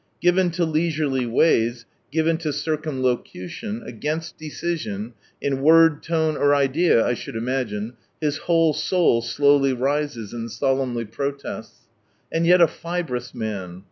Given to leisurely ways, given to circumlocution, against decision, in word, tone, or idea, I should imagine, his whole sou! slowly rises, and solemnly protesis. And yet a fibrous man.